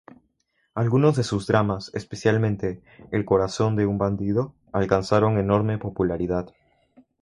Algunos de sus dramas, especialmente "El corazón de un bandido", alcanzaron enorme popularidad.